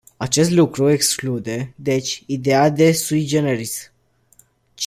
Acest lucru exclude, deci, ideea de sui generis.